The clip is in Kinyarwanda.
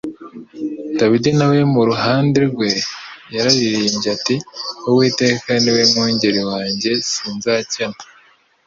Dawidi na we mu ruhande rwe yararirimbye ati: "Uwiteka ni we mwungeri wanjye sinzakena."